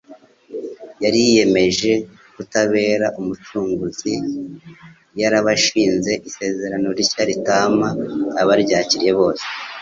yari yiyemeje ktibabera Umucunguzi. Yabashinze isezerano rishya ritama abaryakiriye bose